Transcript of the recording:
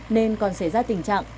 nên còn xảy ra tình trạng